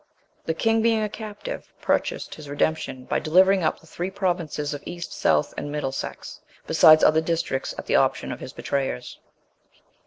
The king being a captive, purchased his redemption, by delivering up the three provinces of East, South, and Middle Sex, besides other districts at the option of his betrayers.